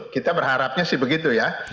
kita berharapnya sih begitu ya